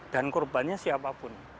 dan korbannya siapapun